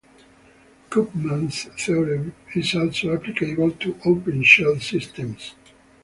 Koopmans' theorem is also applicable to open-shell systems.